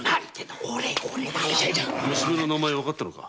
・娘さんの名前わかったのか？